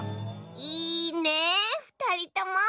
いいねえふたりとも。